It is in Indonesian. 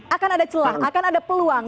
akan ada celah akan ada peluang